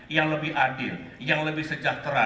yang lebih adil yang lebih sejahtera